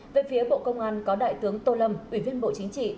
về phía bộ công an có đại tướng tô lâm ủy viên bộ chính trị